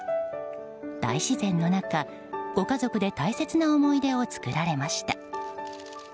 大自然の中ご家族で大切な思い出を作られました。